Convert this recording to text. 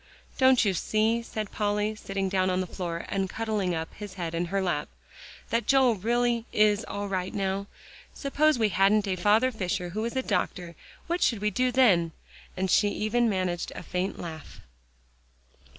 "Don't you see," said Polly, sitting down on the floor and cuddling up his head in her lap, "that Joel is really all right now? Suppose we hadn't a Father Fisher who was a doctor, what should we do then?" and she even managed a faint laugh.